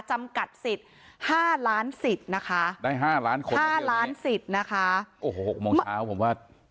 จำกัดสิทธิ์ห้าล้านสิทธิ์นะคะได้ห้าล้านคนห้าล้านสิทธิ์นะคะโอ้โหหกโมงเช้าผมว่า